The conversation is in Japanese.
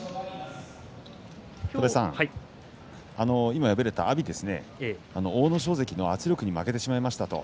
今、敗れた阿炎ですが阿武咲関の圧力に負けてしまいましたと。